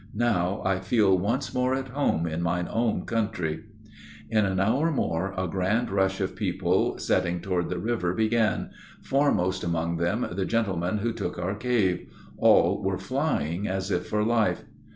"Now I feel once more at home in mine own country." In an hour more a grand rush of people setting toward the river began, foremost among them the gentleman who took our cave; all were flying as if for life.